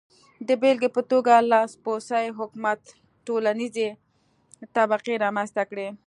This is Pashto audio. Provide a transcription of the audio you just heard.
د بېلګې په توګه لاسپوڅي حکومت ټولنیزې طبقې رامنځته کړې.